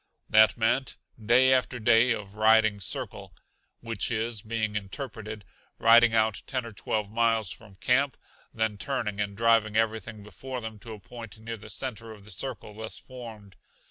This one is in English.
That meant day after day of "riding circle" which is, being interpreted, riding out ten or twelve miles from camp, then turning and driving everything before them to a point near the center of the circle thus formed.